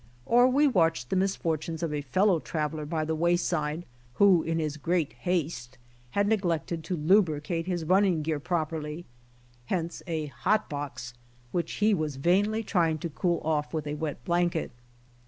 Or we watched the misfortunes of a fellow traveler by the wayside, who, in his great haste, had neglected CAMPING IN KANSAS 11 to lubricate his running gear properly; hence a kot box which he was vainly trying to cool off with a wet blanket.